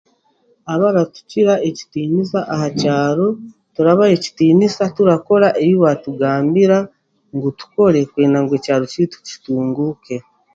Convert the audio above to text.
Abaratukiira ekitiniisa aha kyaro turabaha ekitiniisa turakora ebi baratugambira ngu tukore kwenda ngu e'kyaro ky'eitu kitunguuke.